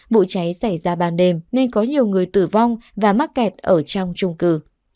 vụ cháy xảy ra ban đêm nên có nhiều người tử vong và mắc kẹt ở trong trung cư